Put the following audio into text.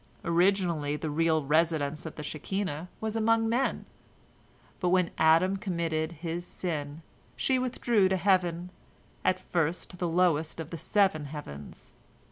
Originally the real residence of the Shekinah was among men, but when Adam committed his sin, she withdrew to heaven, at first to the lowest of the seven heavens.